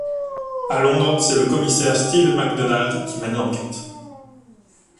À Londres, c'est le commissaire Steve Mac Donald qui mène l’enquête.